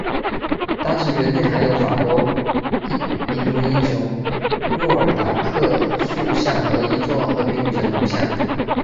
当时园内还有法国民族英雄诺尔达克塑像和一座和平女神铜像。